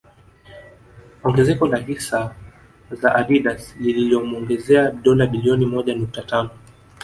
Ongezeko la hisa za Adidas liliomuongezea dola bilioni moja nukta tano